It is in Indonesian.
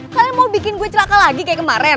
kalian mau bikin gua celaka lagi kayak kemaren